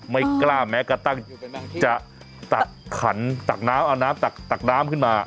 ไม่กล้าแม้กระทั่งจะตักขันตักน้ำเอาน้ำตักน้ำขึ้นมา